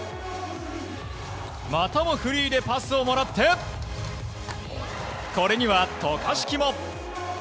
またもフリーでパスをもらってこれには渡嘉敷も。